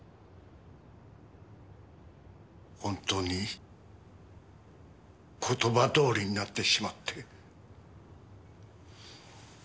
本当に言葉どおりになってしまって。